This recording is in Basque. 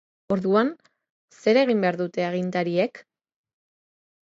Orduan, zer egin behar dute agintariek?